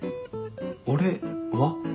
俺は？